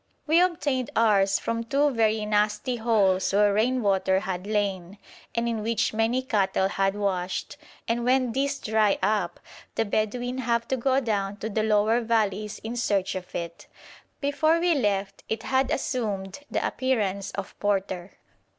We obtained ours from two very nasty holes where rain water had lain, and in which many cattle had washed; and when these dry up the Bedouin have to go down to the lower valleys in search of it. Before we left it had assumed the appearance of porter.